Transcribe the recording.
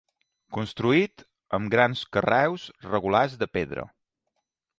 Construït amb grans carreus regulars de pedra.